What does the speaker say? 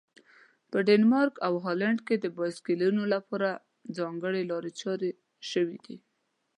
په ډنمارک او هالند کې د بایسکلونو لپاره ځانګړي لارې چارې شوي دي.